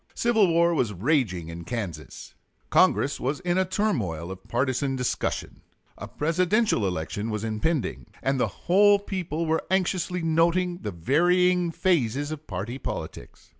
Civil war was raging in Kansas; Congress was in a turmoil of partisan discussion; a Presidential election was impending, and the whole people were anxiously noting the varying phases of party politics.